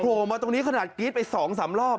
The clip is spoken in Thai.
โผล่มาตรงนี้ขนาดกรี๊ดไปสองสามรอบ